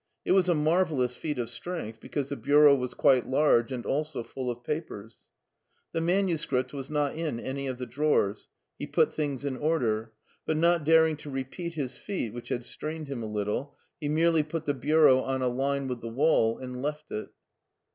It was a marvellous feat of strength be cause the bureau was quite large and also full of papers. The manuscript was not in any of the drawers. He put things in order; but not daring to repeat his feat, which had strained him a litde, he merely put the bureau on a line with the wall, and left it.